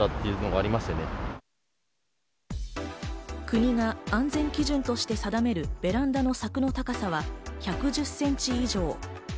国が安全基準として定めるベランダの柵の高さは１１０センチ以上。